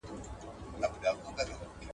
سياسي چارې په سمه توګه نه دي څېړل سوي.